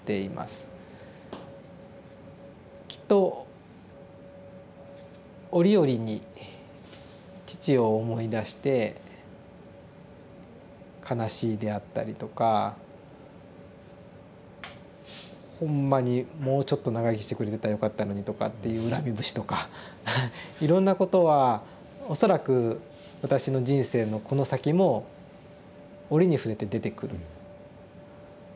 きっと折々に父を思い出して「悲しい」であったりとか「ほんまにもうちょっと長生きしてくれてたらよかったのに」とかっていう恨み節とかいろんなことは恐らく私の人生のこの先も折に触れて出てくる。